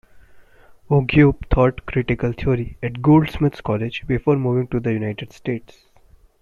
Oguibe taught critical theory at Goldsmiths College before moving to the United States.